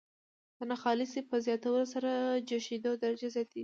د ناخالصې په زیاتولو سره جوشیدو درجه زیاتیږي.